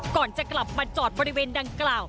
ก่อนจะกลับมาจอดบริเวณดังกล่าว